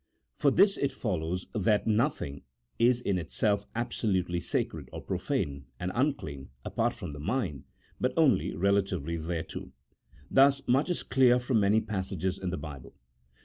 From this it follows that nothing is in itself absolutely sacred, or profane, and unclean, apart from the mind, but only relatively thereto. Thus much is clear from many passages in the Bible.